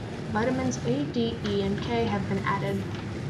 Vitamins A, D, E, and K have been added.